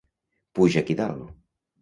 Puja aquí dalt!